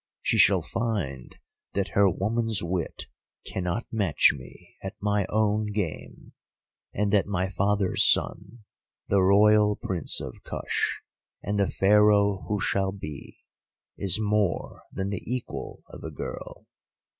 She shall find that her woman's wit cannot match me at my own game, and that my father's son, the Royal Prince of Kush and the Pharaoh who shall be, is more than the equal of a girl.